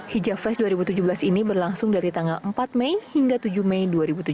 hijab fest dua ribu tujuh belas ini berlangsung dari tanggal empat mei hingga tujuh mei dua ribu tujuh belas